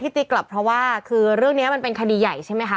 ที่ตีกลับเพราะว่าคือเรื่องนี้กาลีเฉียบใช่ไหมคะ